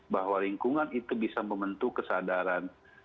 bahwa lingkungan itu bisa membentuk kesadaran